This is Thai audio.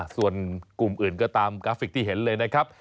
ส่วนกลุ่มอื่นก็ตามกราฟิกที่เห็นเลยนะครับ